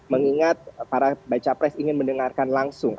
mengingat para baca pres ingin mendengarkan langsung